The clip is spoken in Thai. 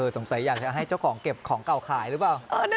สงสัยอยากจะให้เจ้าของเก็บของเก่าขายหรือเปล่า